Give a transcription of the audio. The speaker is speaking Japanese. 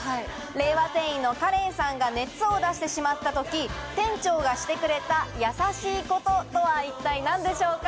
令和店員の果怜さんが熱を出してしまった時店長がしてくれた優しいこととは一体何でしょうか？